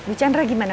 bu chandra gimana